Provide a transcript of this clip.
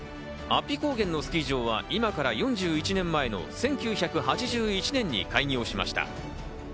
安比高原のスキー場は今から４１年前の１９８１年に開業しました。